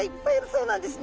そうなんです。